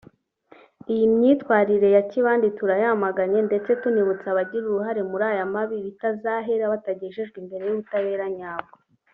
Iyi myitwarire ya kibandi turayamaganye ndetse tunibutsa abagira uruhare muri aya mabi bitazahera batagejejwe imbere y’ ubutabera nyabwo